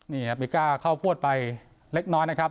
นี่ครับบิก้าเข้าพวดไปเล็กน้อยนะครับ